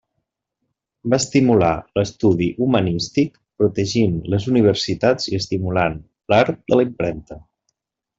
Va estimular l'estudi humanístic protegint les universitats i estimulant l'art de la impremta.